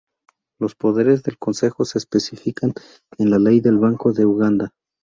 Los poderes del Consejo se especifican en la ley del Banco de Uganda.